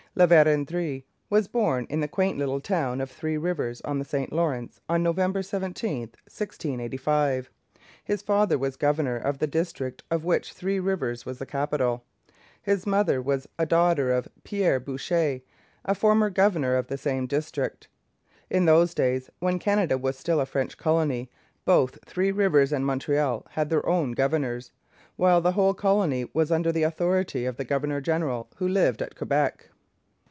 La Vérendrye was born in the quaint little town of Three Rivers, on the St Lawrence, on November 17, 1685. His father was governor of the district of which Three Rivers was the capital; his mother was a daughter of Pierre Boucher, a former governor of the same district. In those days, when Canada was still a French colony, both Three Rivers and Montreal had their own governors, while the whole colony was under the authority of the governor general, who lived at Quebec.